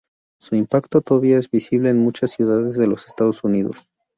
Su impacto todavía es visible en muchas ciudades de los Estados Unidos.